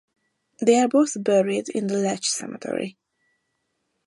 They are both buried in the Ledge Cemetery.